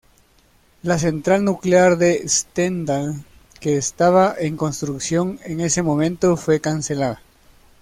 La central nuclear de Stendal, que estaba en construcción en ese momento, fue cancelada.